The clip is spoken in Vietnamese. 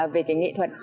về cái nghệ thuật